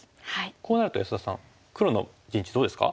こうなると安田さん黒の陣地どうですか？